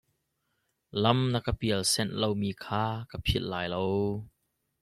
Lam na ka pial senh lomi kha ka philh lai lo.